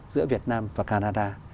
giữa việt nam và canada